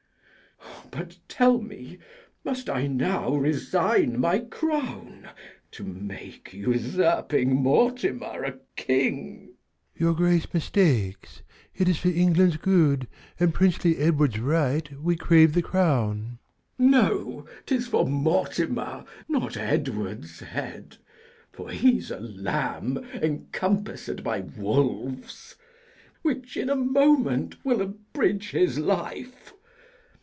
But tell me, must I now resign my crown, To make usurping Mortimer a king? Bish. of Win. Your grace mistakes; it is for England's good, And princely Edward's right, we crave the crown. K. Edw. No, 'tis for Mortimer, not Edward's head For he's a lamb, emcompassed by wolves, Which in a moment will abridge his life.